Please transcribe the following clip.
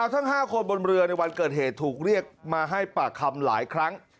ทั้ง๕คนบนเรือในวันเกิดเหตุถูกเรียกมาให้ปากคำหลายครั้ง